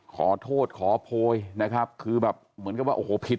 ขอโทษขอโพยนะครับคือแบบเหมือนกับว่าโอ้โหผิด